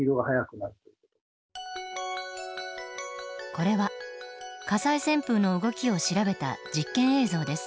これは火災旋風の動きを調べた実験映像です。